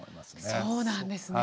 そうなんですねえ。